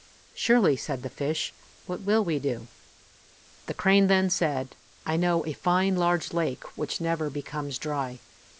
"Surely," said the fish, "what will we do?" The crane then said, "I know a fine large lake which never becomes dry.